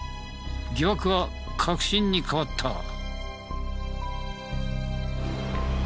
疑惑は確信に変わった。